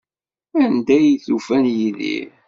Anda ay d-ufan Yidir?